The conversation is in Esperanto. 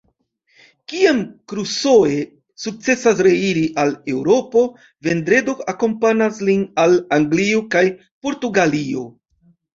Kiam Crusoe sukcesas reiri al Eŭropo, Vendredo akompanas lin al Anglio kaj Portugalio.